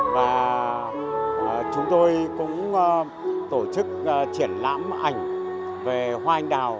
và chúng tôi cũng tổ chức triển lãm ảnh về hoa anh đào